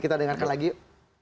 kita dengarkan lagi yuk